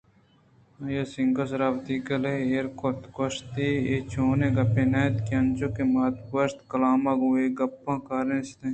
آئی ءِ سینگ ءِ سرا وتی گُلّے ایر کُت ءُگوٛشتئےاے چوشیں گپے نہ اِنت انچو کہ مات ءَ گوٛشت کلامءَ گوں اے گپاں کارنیست